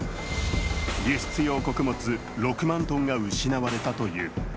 輸出用穀物６万トンが失われたという。